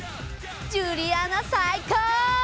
ジュリアナ最高！